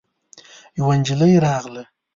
يوه نجلۍ راغله.